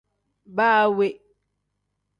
Baa we.